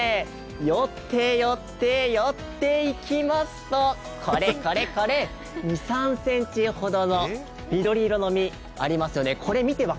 寄って寄って寄っていきますとこれ、これ、これ、２３ｃｍほどの緑色の実、ありますよね。